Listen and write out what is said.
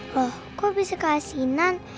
loh kok bisa keasinan